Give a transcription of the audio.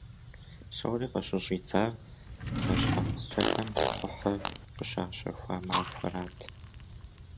Псори къыщыщӏидзар зэщхьэгъусэхэм кхъухьыр къыщащэхуа махуэрат.